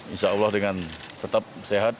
insya allah dengan tetap sehat